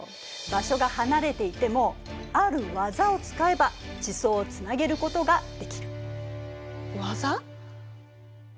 場所が離れていてもある技を使えば地層をつなげることができる。技？